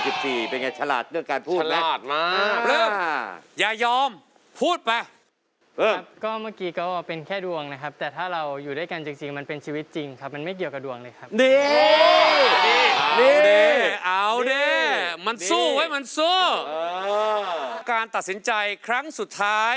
คุณเจ้า๑๔เป็นอย่างไรฉลาดเรื่องการพูดไหมนะครับ